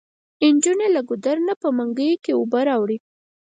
انجونې له ګودر نه په منګيو کې اوبه راوړي.